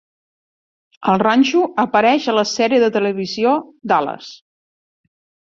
El ranxo apareix a la sèrie de televisió "Dallas".